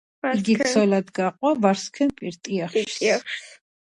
პედაგოგიური განათლება დღემდე რჩება უნივერსიტეტის ერთ-ერთ ძირითად მიმართულებად.